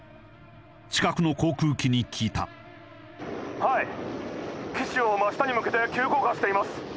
近くの航空機に聞いたはい機首を真下に向けて急降下しています